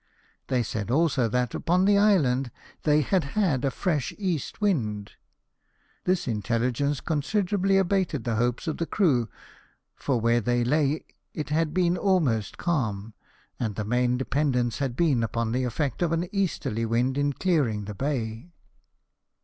They said also, that upon the island they had had a fresh east wind. This intelligence considerably abated the hopes of the crew, for where they lay it had been almost calm, and their main dependence had been upon the effect of an easterly wind in clearing the bay.